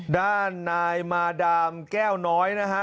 ด้านนายมาดามแก้วน้อยนะฮะ